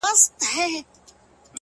پسله کلونو چي پر ځان بدگمانې کړې ده!!